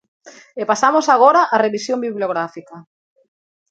E pasamos agora á revisión bibliográfica.